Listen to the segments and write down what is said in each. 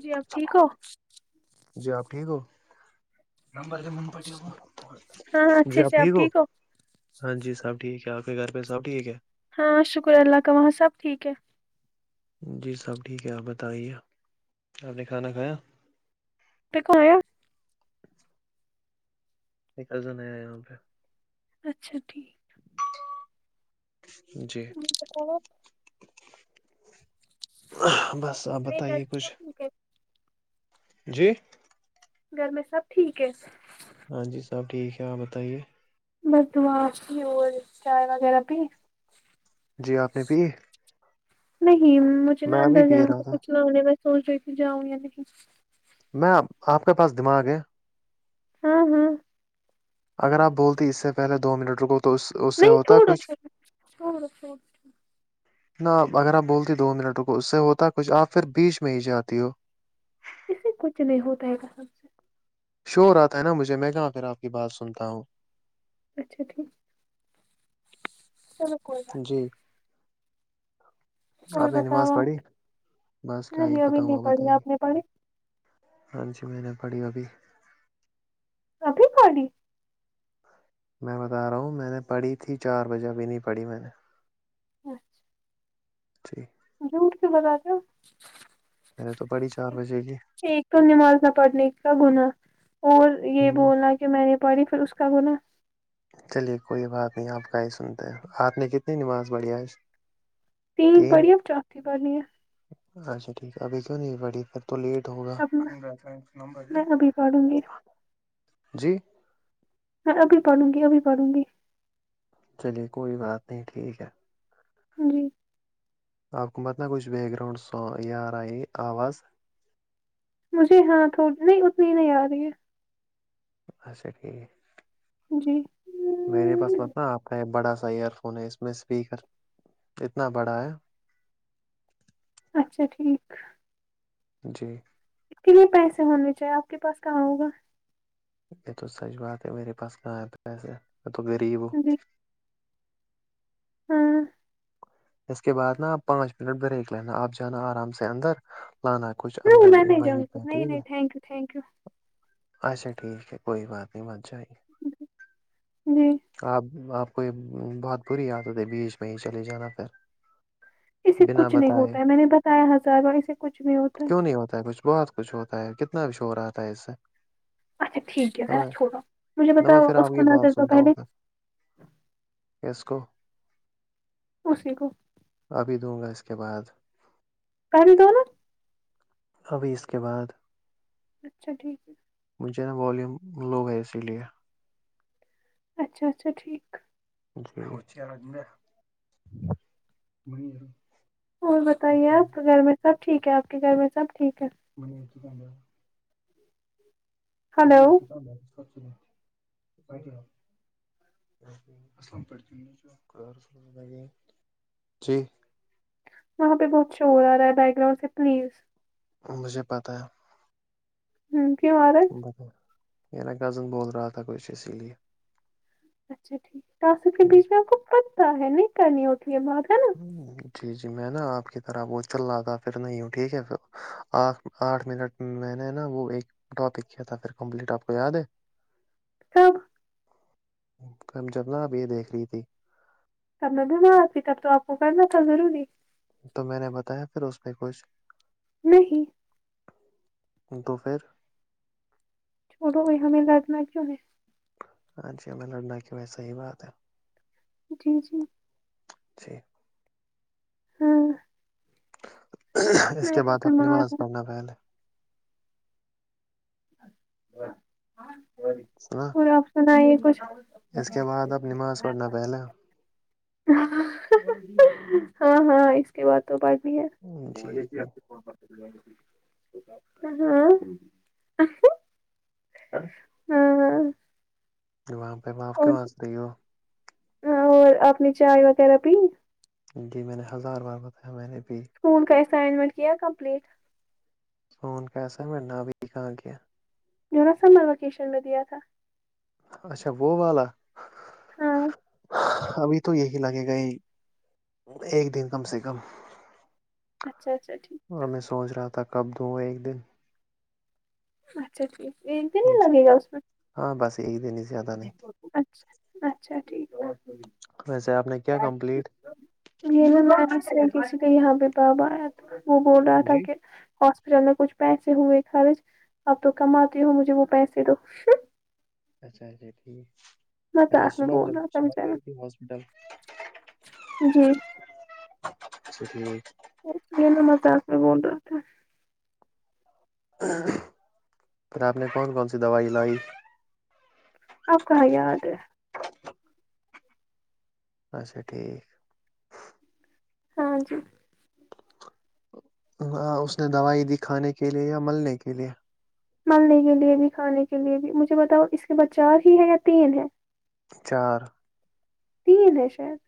جی, آپ ٹھیک ہو- جی, آپ ٹھیک ہومب- جی آپ ٹھیک ہو ہاں جی سب ٹھیک ہے آپ کے گھر پہ سب ٹھیک ہے ہاں شکر اللہ کا وہاں سب ٹھیک ہے- جی سب ٹھیک ہے آپ بتائیے آپ نے کھانا کھایا- پ کوا- نہیں کزن آیا یہاں پہ اچھا ٹھیک جی بس البتہ بتاے گھر یہ میں سب کچھ ٹھیک ہے جی گھر میں سب ٹھیک ہے- ہاں جی صاب ٹھیک ہے آپ بتائیے بردماش بھی اور چائے وغیرہ پہ جی آپ نے پی نہیں مجھے نا میں ابھی اندر پی جیا رہا تھا کچھ لگنے میں سوچ رہی ت جاؤں یا نہیں میں آپ کے پاس دماغ ہے ہاں ہاں اگر آپ بولتی اس سے پہلے دو منٹ رکو تو اس اس سے نہیں ہوتا چھوڑو کچھ چھوڑو چھوڑو چھوڑو نپ اگر آپ بولتی دو منٹوں کو اس سے ہوتا کچھ آپ پھر بیچ میں ہی جاتی ہو اسے کچھ نہیں ہو پائے گا سب سے شور آتا ہے نا مجھے میں کہاں پھر آپ کی بات سنتا ہوں اچھا ٹھیک چلو کوئی بات جی نہیں۔ آپ اور نے بتاؤ نماز آپ پڑھی بس کیا ہی نہیں پتا ابھی ہو نہیں آ پڑھی بتائیے آپ نے پڑھی ہاں جی میں نے پڑھی ابھی ابھی کی میں بتا رہا ہوں میں نے پڑھی تھی چار بجے ابھی نہیں پڑھی میں نے اچھا جچی جی سے بتاے ہو میںے تو پڑی چار بجے کی ایک تو نمازہ پڑھنے کا گنا اور یہ ہوں، بولا میں نے پڑی پھر اس کا گنا چلیے کوئی بات نہیں آپ کا ہی سنتے ہیں آپ نے کتنی نماز بڑھیاج تین پڑییا چوتھی پڑھنی ہے اچھا ٹھیک ہے ابھی کیوں نہیں بڑی پھر تو لیٹ ہوگا اب میں ابھی پڑھوں گی جی میں اب پڑوں گی اب بھی پڑھوں گی چلیے کوئی بات نہیں ٹھیک ہے جی آپ کو مت نہ کچھ بییک گراؤنڈ سان یار آئی آواز مجھے ہاں تھڑی نہیں اتنی نہیں یا رہی اھا ٹھیک ہے جی میرے پاس پتہ آپ کا ایک بڑا سا ایئر فون ہے اس میں اسپیکر اتنا بڑا ہے اچھا ٹھیک جی [unintelligible] [unintelligible] اس کے لیے پیسے ہونے چاہیے آپ کے پاس کہاں ہوگا م تو سچ بات ہے میر پاس کہ پ تو غرریب ہو جی ہاں [unintelligible] [unintelligible] اس کے بعد نا پانچ منٹ بریک لینا آپ جانا آرام سے اندر لانا کچھ نہیں اندر میں ہی نہیں جاؤں وہیں گی پہ نہیں ٹھیک نہیں ہے تھینک یو تھینک یو اچھا ٹھیک ہے کوئی بات نہیں ب جہئی جی [unintelligible] [unintelligible] آپ آپ کو یہ بہت بری عادت ہے بیچ میں ہی چلے جانا پ اسے کچھ نہیں ہوتا ہے میں نے بتایا ہزارو اسے کچھ نہیں ہوتا ہے کیوں نہیں ہوتا ہے کچھ بہت کچھ ہوتا ہے کتنا بھی ش ہو رہ آتا ہے اس سے اچھا ٹھیک ہے نہ نا میں چھوڑو مجھے نہ میں بتاؤ پھر آپ اس کو کی ن بات در دو پہلے اسس کوو اسی کو [unintelligible] [unintelligible] ابھی دوں گا اس کے بعد کہ متاور [unintelligible] ابھی اس کے بعد اچھا ٹھیک ہے [inaudible] [unintelligible] مجھے نا والیوم لو ہے اسی لیے اچھا اچھا ٹھیک [unintelligible] وچےارج میں ب [unintelligible] اور بتائیے آپ گھر میں سب ٹھیک ہے آپ کے گھر میں سب ٹھیک ہے م یہ توک [unintelligible] م ہلو تو کم ب کٹی ہ [unintelligible] جی وہاں پہ بہت شور آ رہا ہے بیک گراؤنڈ سے پلیز مجھے پتاہ ہے ہوں کیوں ہو رہا ہے میرا کزن بول رہا تھا کچھ اسی لیے اچھا ٹھیکسل کے بیچ میں آپ کو پتا ہے نہیں کرنی ہوتی ہے بات ہے نا ہ جی جی میں نا آپ کی طرح وہ چل رہا تھا پھر نہیں ہوں ٹھیک ہے پ آ آٹھ منٹ میں نے نا وہ ایک ٹاپک کیا تھا پھر کمپلیٹ آپ کو یاد ہے سب [unintelligible] [unintelligible] کم جب ن اب یہ دیکھ رہی تھی کب میں دمار تب تو آپ کو کرنا تھا ضروری تو میں نے بتایا پھر اس میں کچھ نہیں تو پھر شرو ہوئی ہمیں ل موں میں [unintelligible] اچھا میں لڑنا کی وسحی بات ہے جی جی اچھ [unintelligible] [unintelligible] ہوں اس کے تو بعد آپ بیمار نماز ہوں پڑھنا پہلے سنا کوئی آپشن آئی ہے کچھ اس کے بعد اب نماز پڑھنا پہلا ہاں ہاں اس کے بعد تو بڑ بھی ہے جی جی ہاں [unintelligible] ہاں ج وہاں پہ مع آپ کے اور واںس رہی ہو اور آپ نے چائے وغیرہ پی جی میں نے ہزار بار بتایا میں نے ابھی اسکول کا اسائنمنٹ کیا کمپلیٹ فون کیسا ہے میں نا ابھی کہاں گیا جو نا سمر وکیشن میں دیا تھا اچھا وہ وال والا ہاں ابھی تو یہی لگے گئے ایک دن کم سے کم اچھا اچھا ٹھیک ہے اور میں سوچ رہا تھا کب دوں ایک دن اچھا ٹھیک ایک دن ہی جی لگے گا اس میں ہاں بس ایک دن ہی زیادہ نہیں اچھا اچھا ٹھیک ویسے آپ نے کیا ہے کمپلیٹ یہ کسی کا یہاں پہ بابایا وہ بول رہا تھا جی کہ ہاسپٹل میں کچھ پیسے ہوئے خرچ اب تو کماتی ہو مجھے وہ پیسے دو اچھا اچا ٹھیک اچا مذاق میں صبح ج بول رہا تھا صبح بچارا ہاسپٹل جی اچٹ ا مزہ آ اٹتا پ آپ نے کون کون سی دوائی لائی آپا یاد اھا ٹھیک ہاں جی ہاں اس نے دوائی دی کھانے کے لیے یا ملنے کے لیے ملنے کے لیے بھی کھانے کے لیے بھی مجھے بتاؤ اس کے بعد چار ہی ہے یا تین ہے چار تین شید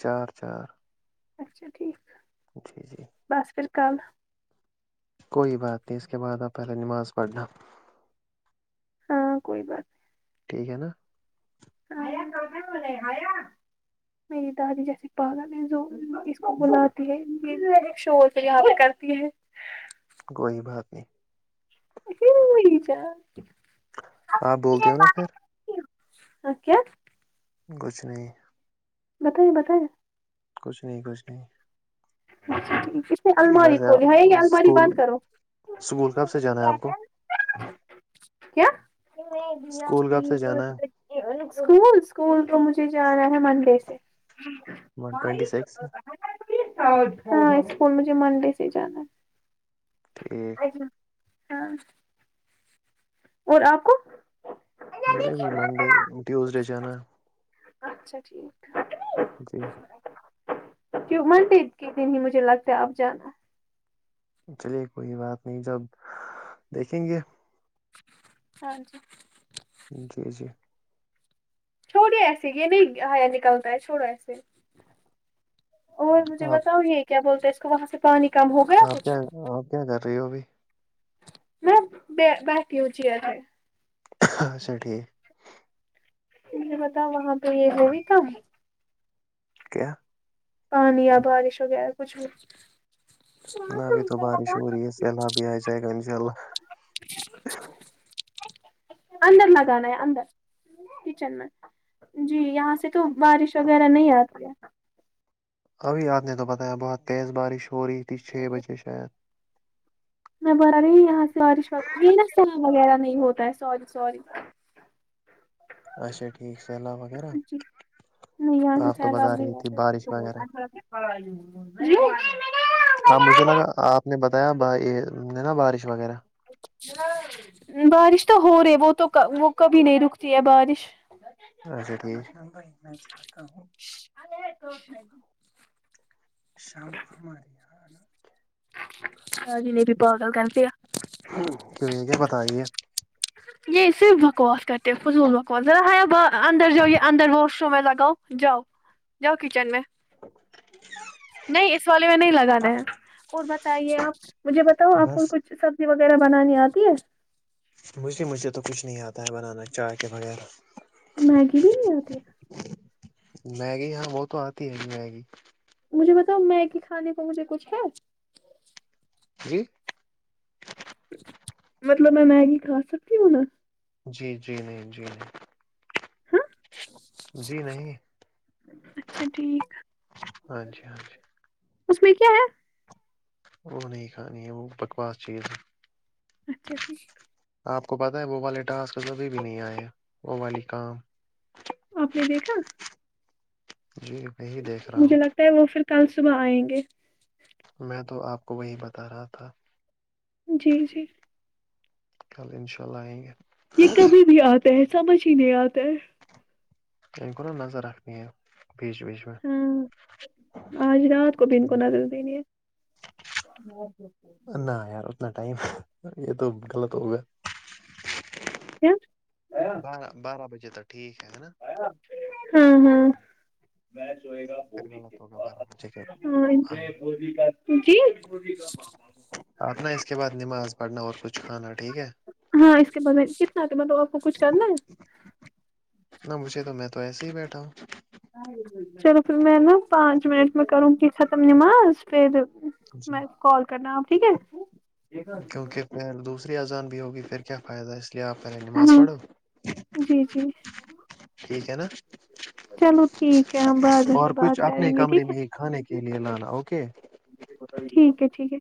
چار چار اچھا ٹھیک جی جی بس فھر کال کوئی بات نہیں اس کے بعد آپ پہلے نماز پڑھنا ہاں کوئی بات ٹھیک ہے نا میری دادی جیسے پاگا میں بلاتی ہے ایک شور سے یہیا پ کرتی ہے گئی باگی ئی جان ہاں بولتے ہو نا پھر ا کیا گچھ نہیں بتائیے بتائیے کچھ نہیں کچھ نہیں پے الماری ویسے کھول ہے کہ الماری اسکول بند کرو اسکول کب سے جانا ہے آپ کو کیا اسکول کب سے جانا ہے اسکول اسکول کو مجھے جانا ہے مندر ون ٹوینٹی سکس اور ہاں اسکول مجھے منڈے سے جانا ہے ہ [unintelligible] ہ اور آپ کو مجھے بھی منڈے ٹیوزڈے جانا اچھا ٹھیک ہے جی کی منڈ کے دن ہی مجھے لگتا ہے اب جانا چلیے کوئی بات نہیں جب دیکھیں گے ہاں جی جی جی چھوڑی ایسے یہ نہیں ہیا نکلتا ہے چھوڑو ایسے اور مجھے آپ بتاؤ یہ کیا بولتے ہیں اس کو وہاں سے پانی کم ہو گیا آپ کچھ کیا آپ کیا کر رہی ہو بھی میں باقی اچیا تھ ہے اچھا ٹھیک مجھے بتاؤ وہاں پہ یہ ہوگی کم کیا پانی یا بارش وغیرہ کچھ بھی ن ابھی تو بارش ہو رہی ہے سیلاب بھی آ جائے گا ان شاء اللہ ج اندر لگانا ہے اندر کچن میں جی یہاں سے تو بارش وغیرہ نہیں آتی ہے ابھی آپ نے تو پتایا بہت تیز بارش ہو رہی تھی چھ بجے شاید میں ب رہی یہاں سے اورشت نا س وغیرہ نہیں ہوتا ہے سوری سوری اچا ٹھیک سلام جی نہیں یہاں سے بتا رہی تھی بارش سب وغیرہ پڑ ہو ہاں مجھے لگا آپ نے بتایا یہ ہے نا بارش وغیرہ بارش تو ہو رہی وہ تو وہ کبھی نہیں رکتی ہے بارش وے ٹھیک ہے میں چاہتا ہوں الاں تو شام کو ہمارے یہاں اور ج نہیں بھی پاغل کر پ کیا کیوں یہ کیا بتائی یہ یہ صرف بکواس کرتے فضول بکوس ذرا ہےب اندر جو یہ اندر واش میں لگاؤ جاؤ جاؤ کچن میں نہیں اس والے میں نہیں لگانا ہے اور بتائیے آپ مجھے بت ت ہوں آپ کو بس کچھ سبزی وغیرہ بنانی آتی ہے مجھے مجھ سے تو کچھ نہیں آتا ہے بنانا چائے کے وغیرہ میگی بھی نہیں آتی میگی ہاں وہ تو آتی ہے جی میگی مجھے بتاؤ میگی کھانے پہ مجھے کچھ ہے جی مطلب میں میگی کا سکتی ہنا جی جی نہیں جی نہیں ہاں جی نہیں اچھا ٹھیک ہاں جی ہاں جی اس میں کیا ہے وہ نہیں کھانی ہے وہ بکواس چیز ہے اچھا ٹھیک آپ کو پتہ ہے وہ والے ٹاسک کبھی بھی نہیں آئے وہ والی کام آپ نے دیکھا جی میں ہی دیکھ رہا ہوں مجھے لگتا وہ پھر کل صبح آئیں گے میں تو آپ کو وہی بتا رہا تھا جی جی کل ان شاء اللہ آئیں گے [unintelligible] یہ کبھی بھی آتا ہے سمجھ ہی نہیں آتا ہے وم کوور نا نظر رکھہ یہ بج وجہ [unintelligible] ہاں آج رات کو ب ان کو ٹھیک نظل د نہیں ہے نہ یار اتنا ٹائم یہ تو غلط ہوگا کیا [unintelligible] بارہ بارہ بجے تو ٹھیک ہے ہے نا ہاں ہاں پھر غلط س ہوگا بارہ بجے کے ہاں گا جی آنا اس کے بعد نماز پڑھنا اور کچھ کھانا ٹھیک ہے ہاں اس کے بے کتنا مطلب آپ کو کچھ کرنا ہے نہ مجھے تو میں تو ایسے ہی بیٹھا ہوں چلو پھر میں نا پانچ منٹ میں کروں گی ختم نماز پھر جی میں کال کرنا ٹھیک ہے خ دوسری اذان بھی ہوگی پھر کیا فائدہ ہے اس لیے آپ پے نماز ہاں پڑھو [unintelligible] جی جی ٹھیک ہے نا چلو ٹھیک ہے ہم بعد میں اور پھر بات کچھ کریں اپنے گے کمرے ٹھیک ہے میں ہی کھانے کے لیے لانا اوکے ٹھیک ہے ٹھیک ہے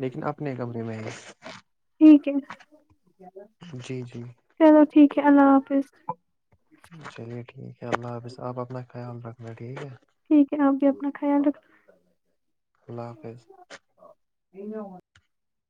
لیکن اپنے کمرے میں ٹھیک ہے [unintelligible] جی جی چلو ٹھیک ہے اللہ حافظ چلیے ٹھیک ہے اللہ حافظ آپ اپنا خیال رکھنا ٹھیک ہے ٹھیک ہے آپ بھی اپنا خیال رکھ ال اللہ حافظ [unintelligible] یہ ہو [unintelligible]